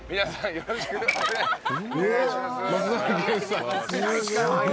よろしくお願いします。